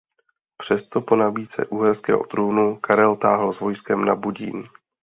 Přesto po nabídce uherského trůnu Karel táhl s vojskem na Budín.